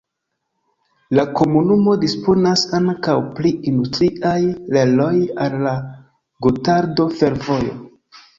La komunumo disponas ankaŭ pri industriaj reloj al la Gotardo-Fervojo.